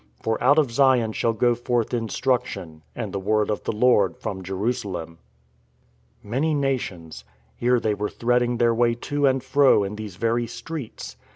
For out of Zion shall go forth instruction, And the word of the Lord from Jerusalem." "Many nations ..." Here they were threading their way to and fro in these very streets.